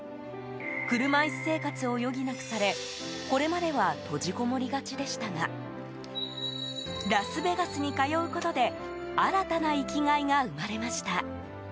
車椅子生活を余儀なくされこれまでは閉じこもりがちでしたがラスベガスに通うことで新たな生きがいが生まれました。